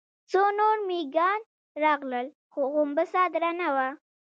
څو نور مېږيان راغلل، خو غومبسه درنه وه.